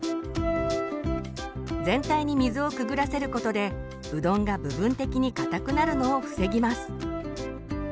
全体に水をくぐらせることでうどんが部分的にかたくなるのを防ぎます。